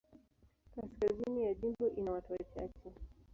Kaskazini ya jimbo ina watu wachache.